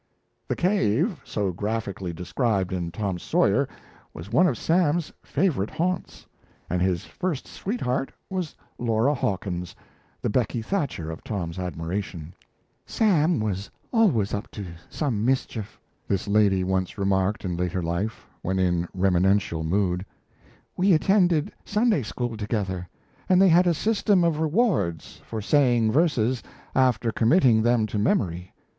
The cave, so graphically described in Tom Sawyer, was one of Sam's favourite haunts; and his first sweetheart was Laura Hawkins, the Becky Thatcher of Tom's admiration. "Sam was always up to some mischief," this lady once remarked in later life, when in reminiscential mood. "We attended Sunday school together, and they had a system of rewards for saying verses after committing them to memory.